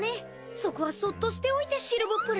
そこはそっとしておいてシルブプレ。